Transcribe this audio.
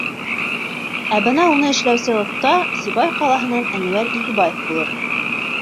Ә бына уны эшләүсе оҫта Сибай ҡалаһынан Әнүәр Игебаев булыр.